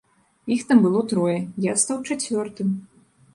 Іх там было трое, я стаў чацвёртым.